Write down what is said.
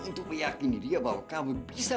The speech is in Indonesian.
untuk meyakini dia bahwa kamu bisa